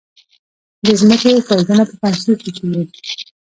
د ځمکې ښویدنه په پنجشیر کې کیږي